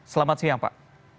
selamat siang pak